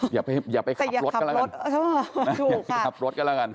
อย่าไปขับรถกันละกัน